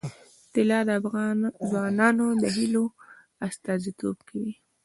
طلا د افغان ځوانانو د هیلو استازیتوب کوي.